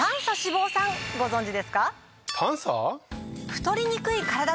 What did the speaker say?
ご存じですか？